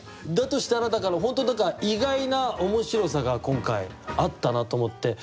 としたらだから本当何か意外な面白さが今回あったなと思って。